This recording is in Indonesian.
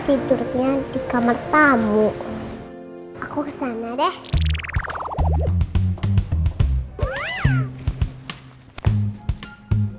ketemu sama mama